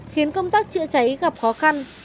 khiến công tác trựa cháy gặp khó khăn